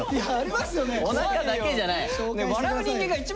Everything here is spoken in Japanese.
おなかだけじゃない。